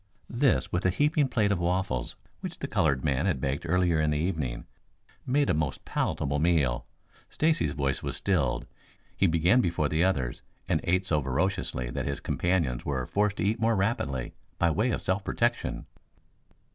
This, with a heaping plate of waffles which the colored man had baked earlier in the evening, made a most palatable meal. Stacy's voice was stilled. He began before the others and ate so voraciously that his companions were forced to eat more rapidly by way of self protection.